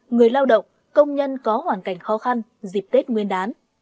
người lao động công nhân có hoàn cảnh khó khăn dịp tết nguyên đán